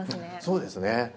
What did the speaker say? そうですね。